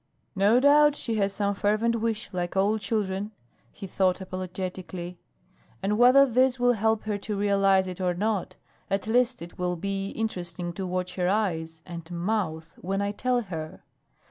"No doubt she has some fervent wish, like all children," he thought apologetically. "And whether this will help her to realize it or not, at least it will be interesting to watch her eyes and mouth when I tell her.